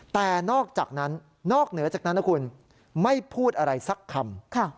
แต่นอกเหนือจากนั้นนะคุณไม่พูดอะไรสักคำ